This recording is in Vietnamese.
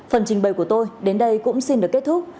phần trình bày của tôi đến đây cũng xin được kết thúc